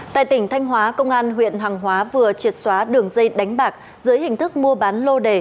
tại tỉnh thanh hóa công an huyện hàng hóa vừa triệt xóa đường dây đánh bạc dưới hình thức mua bán lô đề